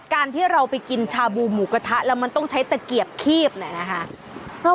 การที่เราไปกินชาบูหมูกระทะแล้วมันต้องใช้ตะเกียบคีบเนี่ยนะคะ